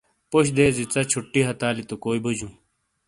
پوش دیزی ژا چھُٹی ہتالی تو کوئی بوجوں۔